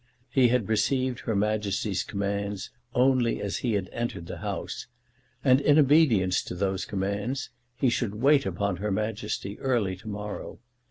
He had received Her Majesty's commands only as he had entered that House, and in obedience to those commands, he should wait upon Her Majesty early to morrow.